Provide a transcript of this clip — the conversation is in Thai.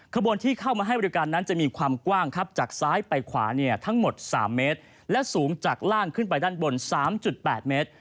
ขบวนที่เข้ามาให้บริการนั้นจะมีความกว้างครับจากซ้ายไปขวาเนี่ยทั้งหมด๓เมตรและสูงจากล่างขึ้นไปด้านบน๓๘เมตร